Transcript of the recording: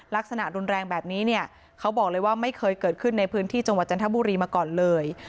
ลักษณะรุนแรงแบบนี้เนี่ยเขาบอกเลยว่าไม่เคยเกิดขึ้นในพื้นที่จังหวัดจันทบุรีมาก่อนเลย